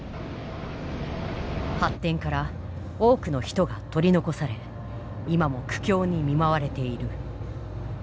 発展から多くの人が取り残され今も苦境に見舞われている。